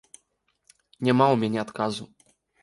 Няма ў мяне адказу.